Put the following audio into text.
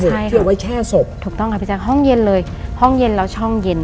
คือเอาไว้แช่ศพถูกต้องครับพี่แจ๊คห้องเย็นเลยห้องเย็นแล้วช่องเย็น